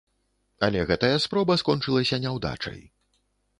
Але гэтая спроба скончылася няўдачай.